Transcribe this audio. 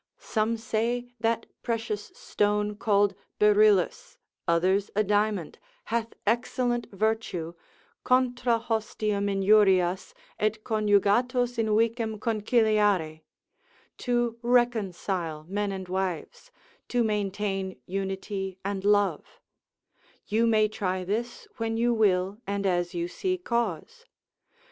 Some say that precious stone called beryllus, others a diamond, hath excellent virtue, contra hostium injurias, et conjugatos invicem conciliare, to reconcile men and wives, to maintain unity and love; you may try this when you will, and as you see cause.